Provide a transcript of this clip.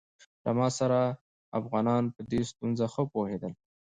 له ما سره افغانان په دې ستونزه ښه پوهېدل.